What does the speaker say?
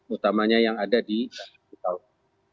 utamanya yang ada di jepang